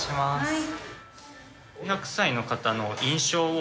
はい。